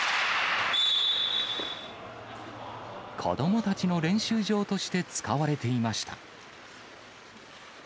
子どもたちの練習場として使われていました。